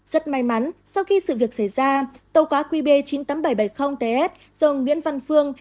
rất may mắn sau khi sự việc xảy ra tàu cá qb chín mươi tám nghìn bảy trăm bảy mươi ts do ông nguyễn văn phương